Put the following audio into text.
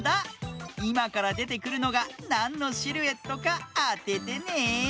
いまからでてくるのがなんのシルエットかあててね。